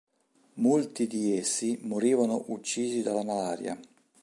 Molti di essi morivano uccisi dalla malaria.